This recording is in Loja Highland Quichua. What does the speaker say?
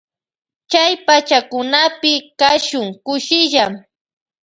Chay pachakunapi kashun kushilla.